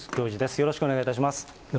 よろしくお願いします。